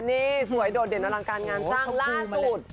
นี่สวยโดดเด่นอลังการงานสร้างล่าสุด